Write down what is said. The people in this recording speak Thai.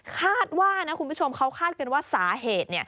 คาดว่านะคุณผู้ชมเขาคาดกันว่าสาเหตุ